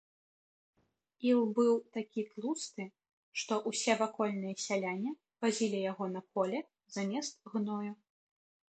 Іл быў такі тлусты, што ўсе вакольныя сяляне вазілі яго на поле замест гною.